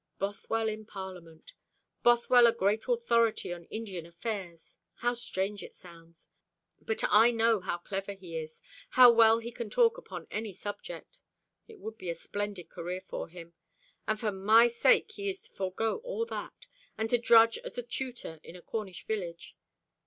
Bothwell in Parliament. Bothwell a great authority on Indian affairs. How strange it sounds! But I know how clever he is, how well he can talk upon any subject. It would be a splendid career for him. And for my sake he is to forego all that, and to drudge as a tutor in a Cornish village.